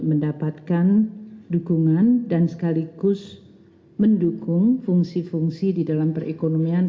mendapatkan dukungan dan sekaligus mendukung fungsi fungsi di dalam perekonomian